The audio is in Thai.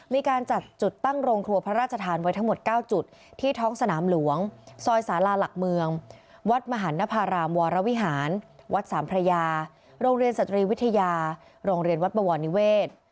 มีการจัดจุดตั้งโรงครัวพระราชทานไว้ทั้งหมด๙จุดที่ท้องสนามหลวงซอยสาลาหลักเมืองวัดมหันนภารามวรวิหารวัดสามพระยาโรงเรียนสตรีวิทยาโรงเรียนวัดบวรนิเวศ